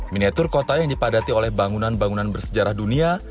miniatur kota yang dipadati oleh bangunan bangunan bersejarah dunia